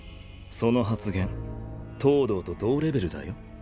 その発言東堂と同レベルだよ。